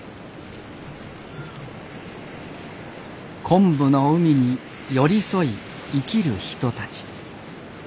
昆布の海に寄り添い生きる人たち。